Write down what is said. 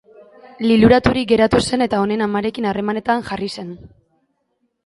Liluraturik geratu zen eta honen amarekin harremanetan jarri zen.